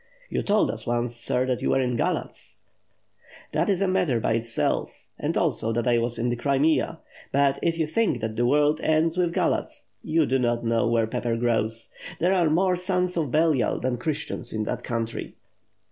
"You told us once, sir, that you were in Galatz." "That is a matter by itself, and also that I was in the Crimea. But, if you think that the world ends with Galatz, you do not know where pepper grows. There are more sons of Beliel than Christians in that country."